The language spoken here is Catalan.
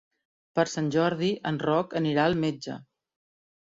Per Sant Jordi en Roc anirà al metge.